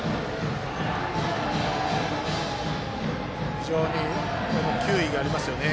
非常に球威がありますよね。